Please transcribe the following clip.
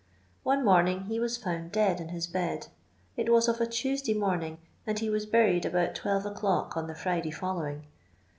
One mottling he was found dead in his bed ; it vu of a Tuesday morning, and he was buried shout 12 o'clock on the Friday following.